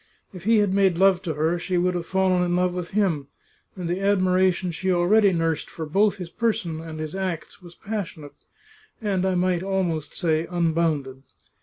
If he had made love to her she would have fallen in love with him, and the admiration she already nursed for both his person and his acts was passionate, and I might almost say unbounded.